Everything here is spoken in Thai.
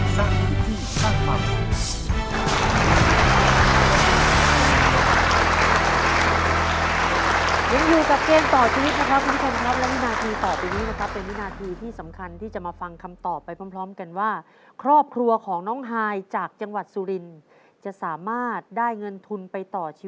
สนับสนุนโดยทุนาลัยสร้างพลิกที่สร้างภัมษ์